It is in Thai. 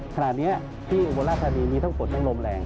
ขณะนี้ที่อุบลราชธานีมีทั้งฝนทั้งลมแรง